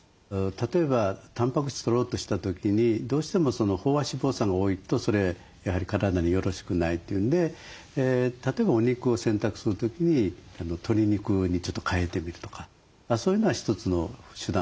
例えばタンパク質とろうとした時にどうしても飽和脂肪酸が多いとそれやはり体によろしくないというんで例えばお肉を選択する時に鶏肉にちょっと変えてみるとかそういうのは一つの手段ですね。